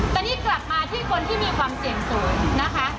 ตอนนี้กลับมาที่คนที่มีความเสี่ยงสูงนะคะ